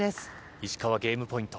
石川、ゲームポイント。